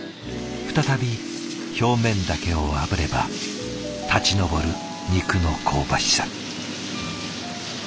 再び表面だけをあぶれば立ち上る肉の香ばしさ。